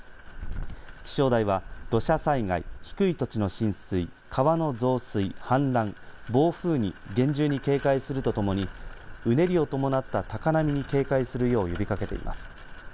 気象台は土砂災害低い土地の浸水、川の増水氾濫、暴風に厳重に警戒するとともにうねりを伴った高波に警戒するよう呼びかけています。